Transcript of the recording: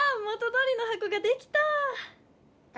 もとどおりのはこができたぁ！